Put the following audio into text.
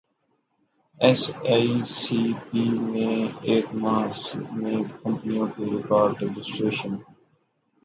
S E C P میں ایک ماہ میں کمپنیوں کی ریکارڈرجسٹریشن